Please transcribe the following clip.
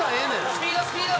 スピードスピード！